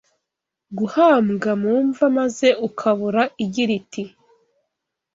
guhambwa mu mva maze ukabora igira iti: